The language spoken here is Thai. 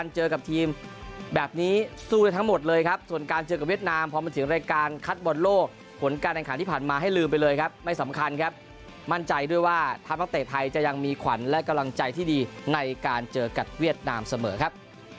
จะมีขวัญและกำลังใจที่ดีในการเจอกับเวียดนามเสมอครับ